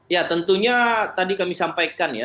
ya tentunya tadi kami sampaikan ya